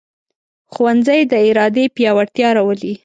ښوونځی د ارادې پیاوړتیا راولي